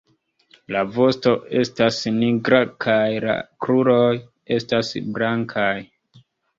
La vosto estas nigra kaj la kruroj estas blankaj.